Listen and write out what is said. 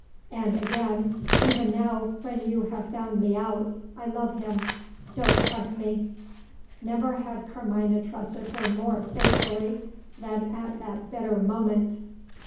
And, again: "Even now, when you have found me out, I love him. Don't trust me." Never had Carmina trusted her more faithfully than at that bitter moment!